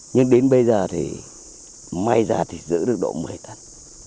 nhưng đến bây giờ thì may ra thì giữ được độ một mươi thất